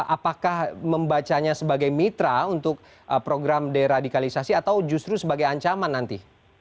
apakah membacanya sebagai mitra untuk program deradikalisasi atau justru sebagai ancaman nanti